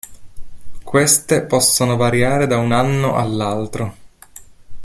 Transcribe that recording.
Queste possono variare da un anno all'altro.